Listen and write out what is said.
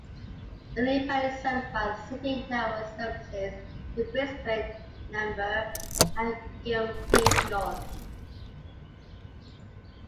Elimbah is serviced by City network services to Brisbane, Nambour and Gympie North.